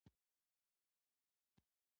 هغه د پولادو د تولید په هکله ډېر پوهېده